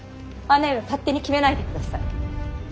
姉上勝手に決めないでください。